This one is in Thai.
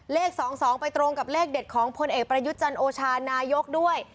เลข๒๒ไปตรงกับเลขเด็ดของพลเอกประยุทธ์จันทร์โอชานายกด้วย